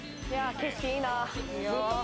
景色いいなあ。